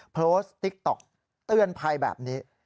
ติ๊กต๊อกเตือนภัยแบบนี้